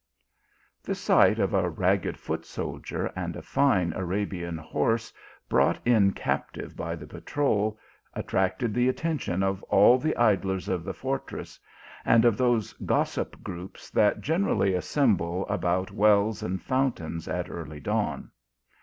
The sight of a ragged foot soldier and a fine Arabian horse brought in captive by the patrol, at tracted the attention of all the idlers of the fortress, and of those gossip groups that generally assemble about wells and fountains at early dawn